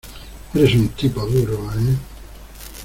Eres un tipo duro, ¿ eh?